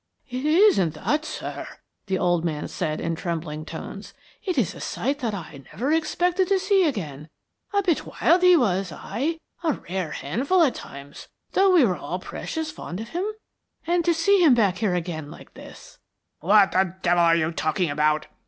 "It isn't that, sir," the old man said in trembling tones. "It is a sight that I never expected to see again. A bit wild he was aye, a rare handful at times, though we were all precious fond of him. And to see him back here again like this " "What the devil are you talking about?"